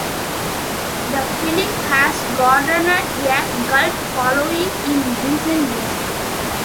The film has garnered a cult following in recent years.